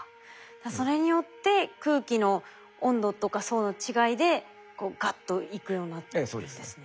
それによって空気の温度とか層の違いでこうガッといくようになるんですね。